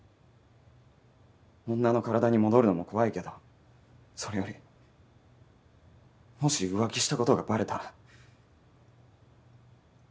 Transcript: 女の体に戻るのも怖いけどそれよりもし浮気したことがバレたら。